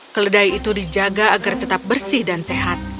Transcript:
keledai itu dijaga agar tetap bersih dan sehat